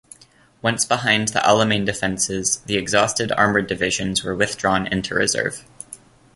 Once behind the Alamein defences the exhausted armoured divisions were withdrawn into reserve.